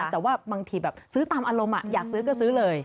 แต่ว่าบางทีแบบซื้อตามอารมณ์อยากซื้อก็ซื้อเลย